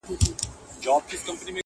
o چي زه او ته راضي، څه او څه غيم د قاضي!